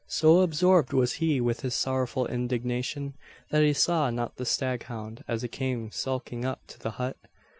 So absorbed was he with his sorrowful indignation, that he saw not the staghound as it came skulking up to the hut.